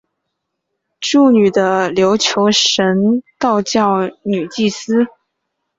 祝女的琉球神道教女祭司。